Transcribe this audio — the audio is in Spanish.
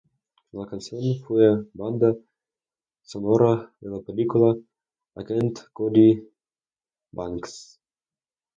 La canción fue la banda sonora de la película Agent Cody Banks.